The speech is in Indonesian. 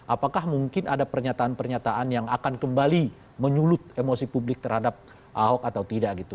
apakah mungkin ada pernyataan pernyataan yang akan kembali menyulut emosi publik terhadap ahok atau tidak gitu